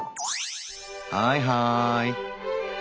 はいはい。